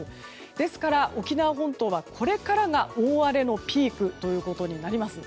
ですから、沖縄本島はこれからが大荒れのピークということになります。